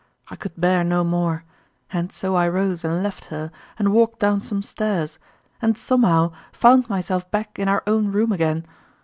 I could bear no more ; and so I rose and left her, and walked down some stairs, and somehow found myself back in our own room again